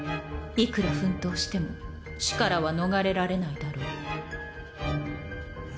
いくら奮闘しても死からは逃れられないだろう。